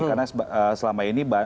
karena selama ini